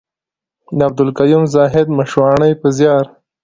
د عبدالقيوم زاهد مشواڼي په زيار.